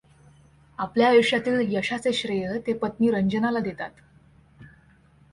आपल्या आयुष्यातील यशाचे श्रेय ते पत्नी रंजनाला देतात.